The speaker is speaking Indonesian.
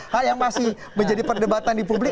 hal yang masih menjadi perdebatan di publik